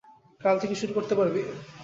কাল থেকে শুরু করতে পারবি?